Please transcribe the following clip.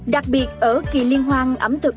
đặc biệt ở kỳ liên hoan ẩm thực